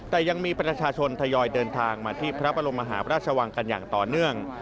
แต่ยังมีประชาชนทยอยเดินทางมาที่พระบรมมหาพระราชวังกันอย่างต่อเนื่อง